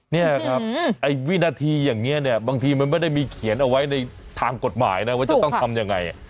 นี่ครับไอ้วินาทีอย่างนี้เนี่ยบางทีมันไม่ได้มีเขียนเอาไว้ในทางกฎหมายนะว่าจะต้องทำยังไง